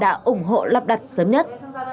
bà đã ủng hộ lắp đặt sớm nhất